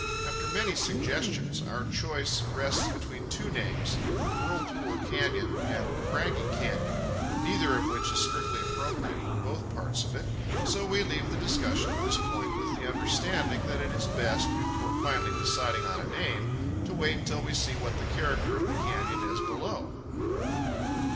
After many suggestions our choice rests between two names, Whirlpool Canyon and Craggy Canyon, neither of which is strictly appropriate for both parts of it; so we leave the discussion at this point, with the understanding that it is best, before finally deciding on a name, to wait until we see what the character of the canyon is below.